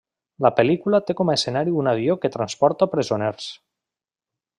La pel·lícula té com a escenari un avió que transporta presoners.